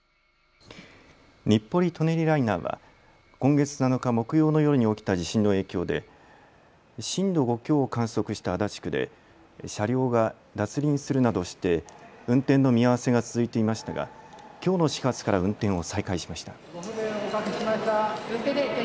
日暮里・舎人ライナーは今月７日木曜の夜に起きた地震の影響で震度５強を観測した足立区で車両が脱輪するなどして運転の見合わせが続いていましたがきょうの始発から運転を再開しました。